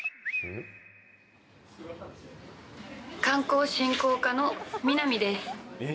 観光振興課のミナミです。